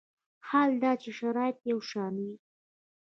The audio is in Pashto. حال دا چې شرایط یو شان وي.